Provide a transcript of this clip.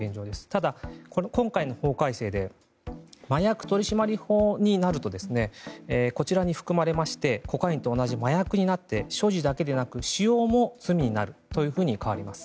ただ、今回の法改正で麻薬取締法になりますとこちらに含まれましてコカインと同じ麻薬になって所持だけでなく使用も罪になるというふうに変わります。